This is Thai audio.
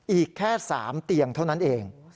อีกแค่๓เตียงเท่านั้นเอง